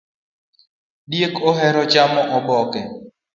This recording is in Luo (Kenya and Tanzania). Diek ohero chamo oboke